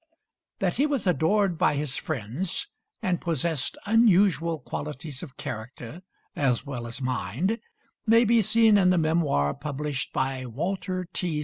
That he was adored by his friends, and possessed unusual qualities of character as well as mind, may be seen in the memoir published by Walter T.